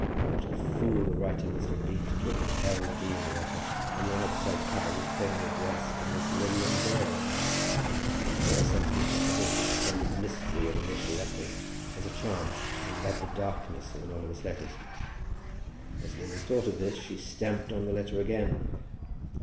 What a fool the writer must have been to talk of L. D. in the letter, when the outside cover was plainly addressed to Miss Lilian Dale! But there are some people for whom the pretended mystery of initial letters has a charm, and who love the darkness of anonymous letters. As Lily thought of this, she stamped on the letter again.